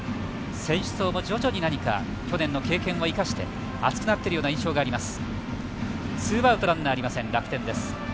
選手層も、去年の経験を生かして熱くなっているような印象があります。